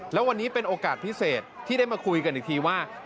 แล้ววันนี้เป็นโอกาสพิเศษที่ได้มาคุยกันอีกทีว่า